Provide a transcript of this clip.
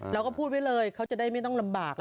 เราก็พูดไว้เลยเขาจะได้ไม่ต้องลำบาก